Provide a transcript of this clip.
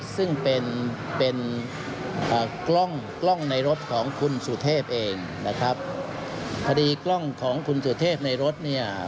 ซึ่งเป็นเป็นกล้องกล้องในรถของคุณสุเทพเองนะครับพอดีกล้องของคุณสุเทพในรถเนี่ย